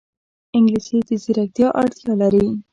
انګلیسي د ځیرکتیا اړتیا لري